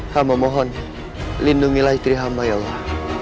hama mohon lindungilah istri hamba ya allah